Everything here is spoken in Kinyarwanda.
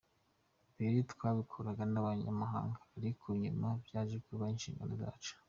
Mbere twabikoranaga n’abanyamahanga ariko nyuma byaje kuba inshingano zacu.